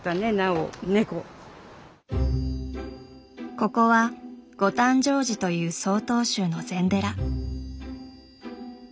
ここは御誕生寺という曹洞宗の禅寺。